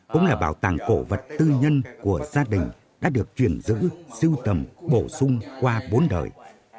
cũng là bảo tàng cổ vật tư nhân của gia đình đã được truyền giữ siêu tầm bổ sung qua bốn đời